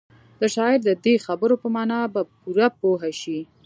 د شاعر د دې خبرو پر مانا به پوره پوه شئ.